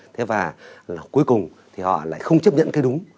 thế và cuối cùng thì họ lại không chấp nhận cái đúng